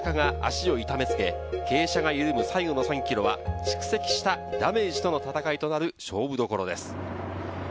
急坂が足を痛め付け、傾斜が緩む最後の３ｋｍは蓄積したダメージとの戦いとなる勝負どころです。